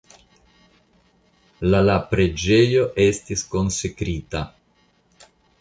La la preĝejo estis konsekrita.